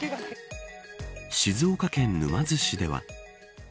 静岡県沼津市では。